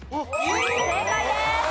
正解です。